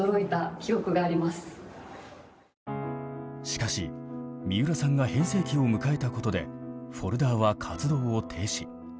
しかし三浦さんが変声期を迎えたことで「Ｆｏｌｄｅｒ」は活動を停止。